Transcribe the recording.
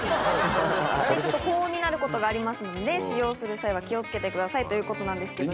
高温になることがありますので使用する際は気を付けてくださいということなんですけど。